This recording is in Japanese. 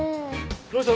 どうした？